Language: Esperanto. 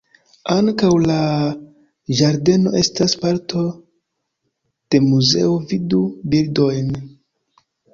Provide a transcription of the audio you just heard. Ankaŭ la ĝardeno estas parto de muzeo, vidu bildojn.